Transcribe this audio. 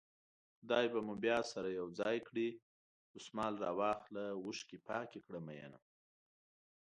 خدای به مو بيا سره يو ځای کړي دسمال راواخله اوښکې پاکې کړه مينه